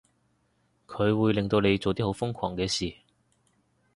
佢會令到你做啲好瘋狂嘅事